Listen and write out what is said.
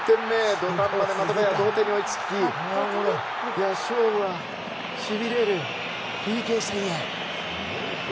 土壇場でまたもや同点に追いつき勝負はしびれるＰＫ戦へ。